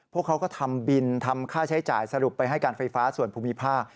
พวกเขาก็ทำบินทำค่าใช้จ่ายสรุปไปให้การไฟฟ้าส่วนภูมิภาค